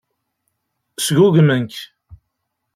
Sgugmen-k.